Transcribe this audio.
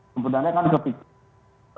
sebenarnya kan kepikiran